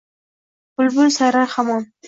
Bulbul sayrar hamon!